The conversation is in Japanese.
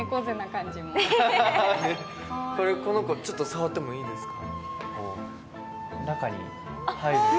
この子、ちょっと触ってもいいですか。